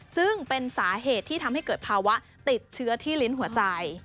ซึ่งเป็นสาเหตุที่ทำให้เกิดภาวะติดเชื้อที่ลิ้นหัวใจ